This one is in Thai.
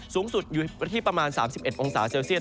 สูงสุดอยู่ที่ประมาณ๓๑องศาเซลเซียต